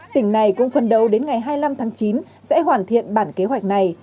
tỉnh này cũng phân đấu đến ngày hai mươi năm tháng chín sẽ hoàn thiện bản kế hoạch này